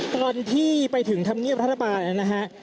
ตอนที่ไปถึงธรรมเนียบรัฐบาลนะฮะ